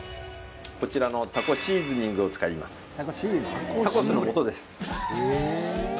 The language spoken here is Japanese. こちらのタコシーズニングを使います